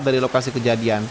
dari lokasi kejadian